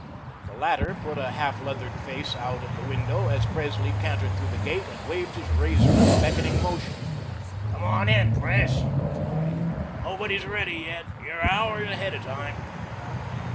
This latter put a half lathered face out of the window as Presley cantered through the gate, and waved his razor with a beckoning motion. "Come on in, Pres," he cried. "Nobody's ready yet. You're hours ahead of time."